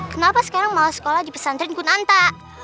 kenapa sekarang malah sekolah di pesantren punanta